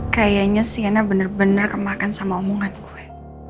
kayanya sienna bener bener kemakan sama omongan gue